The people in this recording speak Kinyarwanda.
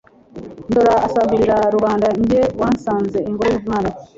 Ndora usagurira Rubanda Jye wasanze ingoro y'Umwami,